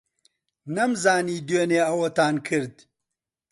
نەمزانی دوێنێ ئەوەتان کرد.